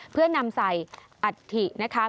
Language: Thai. เพื่อนำใส่อัฐินะคะ